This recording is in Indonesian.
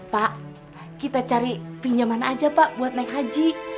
pak kita cari pinjaman aja pak buat naik haji